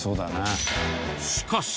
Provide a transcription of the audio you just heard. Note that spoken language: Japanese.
しかし